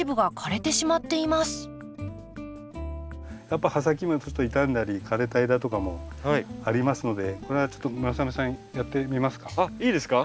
やっぱ葉先もちょっと傷んだり枯れた枝とかもありますのでこれはちょっとあっいいですか？